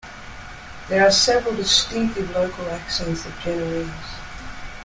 There are several distinctive local accents of Genoese.